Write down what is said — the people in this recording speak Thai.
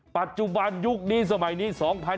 ปัจจุบันยุคนี้สมัยนี้๒๕๖๒